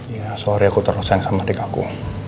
ya sorry aku terus sayang sama adik aku